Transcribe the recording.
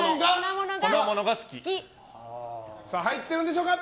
入ってるんでしょうか。